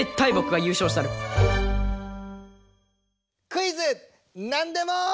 「クイズナンでも」。